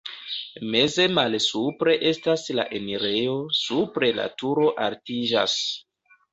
Meze malsupre estas la enirejo, supre la turo altiĝas.